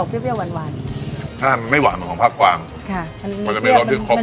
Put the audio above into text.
เบี้ยวเบี้ยวหวานถ้าไม่หวานเหมือนของภาคกวามค่ะมันจะมีรสที่ครบรสเลย